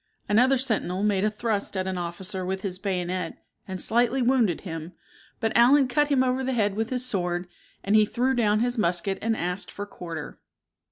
Another sentinel made a thrust at an officer with his bayonet, and slightly wounded him, but Allen cut him over the head with his sword, and he threw down his musket and asked for quarter.